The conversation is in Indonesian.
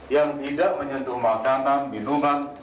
yang tidak menyentuh makanan minuman